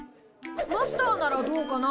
マスターならどうかな？